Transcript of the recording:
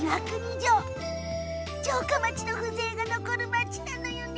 城下町の風情が残る町なのよね。